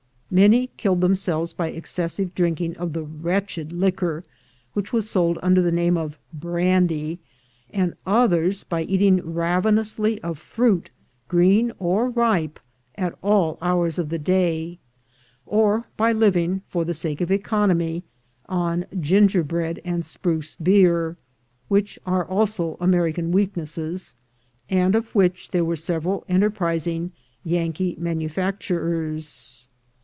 Many killed themselves by excessive drinking of the wretched liquor which was sold under the name of brandy, and others, by eating ravenously of fruit, green or ripe, at all hours of the day, or by living, for the sake of economy, on gingerbread and spruce beer, which are also American weaknesses, and of which there were several enterprising Yankee manufacturers.